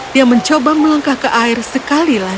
dia mencoba melangkah ke air sekali lagi